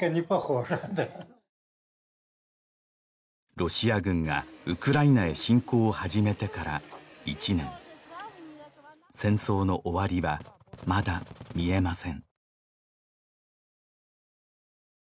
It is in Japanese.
ロシア軍がウクライナへ侵攻を始めてから１年戦争の終わりはまだ見えません